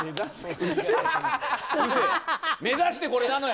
目指してこれなのよ！